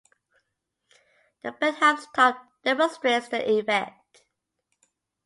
The Benham's top demonstrates the effect.